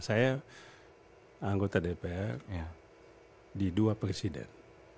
saya anggota dpr di dua presiden